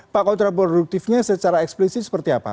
pak kontraproduktifnya secara eksplisit seperti apa